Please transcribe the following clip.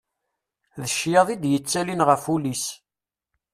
D ccyaḍ i d-yettalin ɣef wul-is.